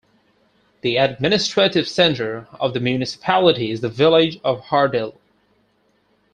The administrative centre of the municipality is the village of Hurdal.